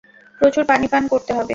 প্রচুর পানি পান করতে হবে।